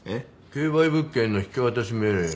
競売物件の引渡命令？ん？